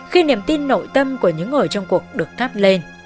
khi niềm tin nội tâm của những người trong cuộc được thắp lên